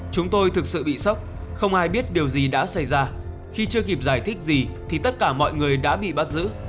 chúng tôi thực sự bị sốc không ai biết điều gì đã xảy ra khi chưa kịp giải thích gì thì tất cả mọi người đã bị bắt giữ